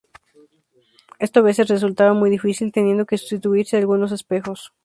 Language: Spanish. Esto a veces resultaba muy difícil, teniendo que sustituirse algunos espejos.